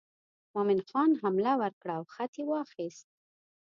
مومن خان حمله ور کړه او خط یې واخیست.